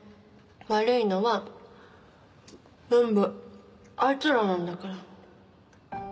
悪いのは全部あいつらなんだから。